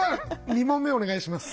２問目お願いします。